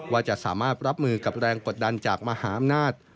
ว่าจะสามารถรับมือกับแรงกดดันจากมหาอำนาจ